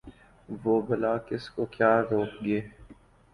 وہ بلا کس کو کیا روک گے